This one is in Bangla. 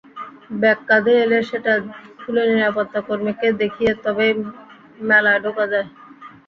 ব্যাগ কাঁধে এলে সেটা খুলে নিরাপত্তাকর্মীকে দেখিয়ে তবেই মেলায় ঢোকা যায়।